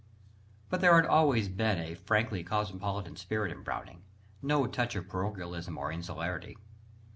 But there had always been a frankly cosmopolitan spirit in Browning, no touch of parochialism or insularity.